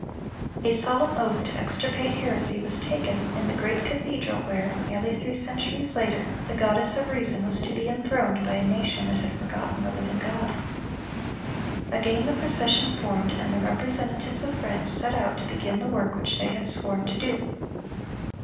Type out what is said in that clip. A solemn oath to extirpate heresy was taken in the great cathedral where, nearly three centuries later, the "Goddess of Reason" was to be enthroned by a nation that had forgotten the living God. Again the procession formed, and the representatives of France set out to begin the work which they had sworn to do.